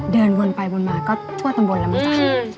เดินวนไปวนมาก็ทั่วตำบลแล้วมั้งจ้ะ